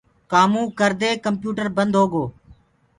ڪآمو ڪردي ڪمپيوٽر بند هوگو۔